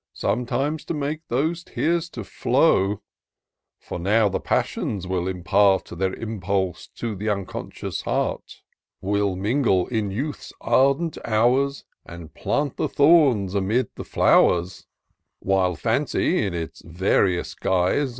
Sometimes to make those tears to flow. For now the Passions will impart Their impidse to th' unconscious heart. Will mingle in Youth's ardent hours. And plant the thorns amid the flow'rs ; While Fancy, in its various guise.